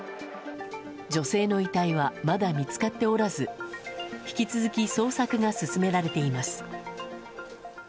女性の遺体はまだ見つかっておらず引き続き捜索が進められています。